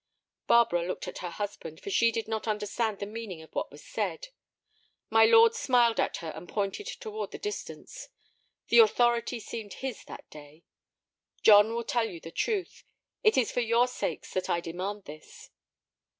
Barbara looked at her husband, for she did not understand the meaning of what was said. My lord smiled at her and pointed toward the distance. The authority seemed his that day. "John will tell you the truth. It is for your sakes that I demand this."